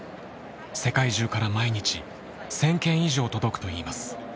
世界中から毎日１０００件以上届くといいます。